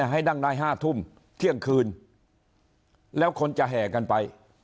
ให้นั่งได้๕ทุ่มเที่ยงคืนแล้วคนจะแห่กันไป